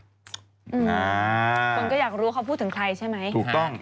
คนก็อยากรู้เขาพูดถึงใครใช่ไหมถูกต้อง